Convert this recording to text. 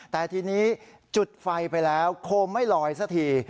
แต่ทีนี้จุดไฟไปแล้วโคมไม่ลอยสักที